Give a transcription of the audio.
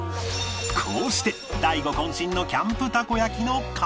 こうして大悟渾身のキャンプたこ焼きの完成！